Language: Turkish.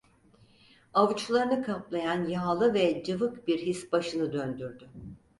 Avuçlarını kaplayan yağlı ve cıvık bir his başını döndürdü.